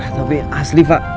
tapi asli pak